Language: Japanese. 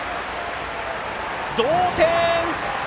同点！